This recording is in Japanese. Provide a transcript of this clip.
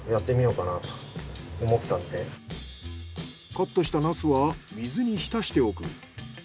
カットしたナスは水に浸しておく。